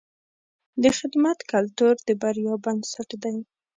د خدمت کلتور د بریا بنسټ دی.